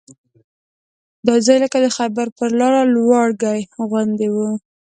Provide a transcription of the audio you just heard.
دا ځای لکه د خیبر پر لاره لواړګي غوندې وو.